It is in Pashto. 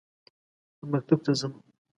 زه مکتب ته زمه